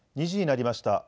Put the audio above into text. ２時になりました。